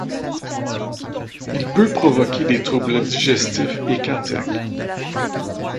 Il peut provoquer des troubles digestifs et cardiaques.